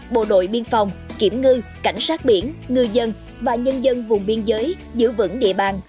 bộ đội biên phòng kiểm ngư cảnh sát biển ngư dân và nhân dân vùng biên giới giữ vững địa bàn